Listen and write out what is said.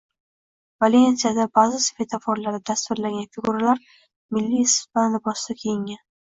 Valensiyada ba’zi svetoforlarda tasvirlangan figuralar milliy ispan libosida kiyingan